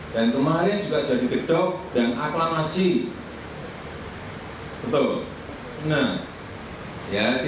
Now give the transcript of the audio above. dan kemarin juga jadi gedok dan aklamasi